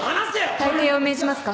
退廷を命じますか？